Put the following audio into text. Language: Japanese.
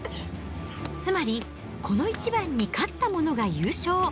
つまり、この一番に勝った者が優勝。